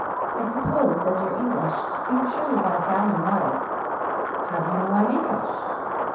I suppose, as you're English, you've surely got a family motto." "How do you know I'm English?"